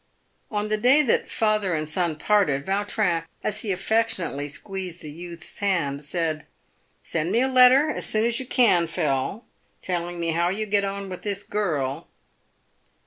On the day that father and son parted, Yautrin, as he affectionately squeezed the youth's hand, said, " Send me a letter as soon as you can, Phil, telling me how you get on with this girl."